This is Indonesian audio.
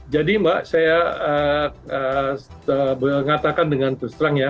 jadi mbak saya mengatakan dengan terus terang ya